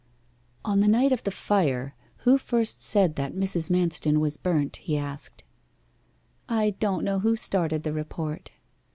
'On the night of the fire, who first said that Mrs. Manston was burnt?' he asked. 'I don't know who started the report.